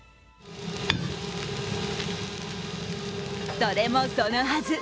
それもそのはず。